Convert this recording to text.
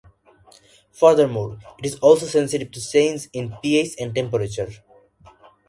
Furthermore, it is also sensitive to changes in pH and temperature.